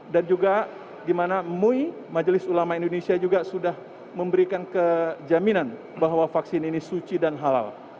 dan juga dimana mui majelis ulama indonesia juga sudah memberikan kejaminan bahwa vaksin ini suci dan halal